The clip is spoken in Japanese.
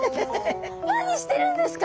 何してるんですか？